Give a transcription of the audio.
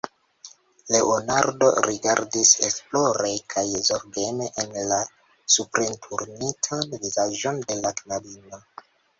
Leonardo rigardis esplore kaj zorgeme en la suprenturnitan vizaĝon de la knabino.